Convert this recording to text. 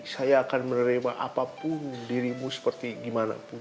saya akan menerima apapun dirimu seperti gimana pun